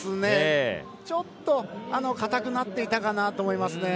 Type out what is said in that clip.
ちょっと固くなっていたかなと思います。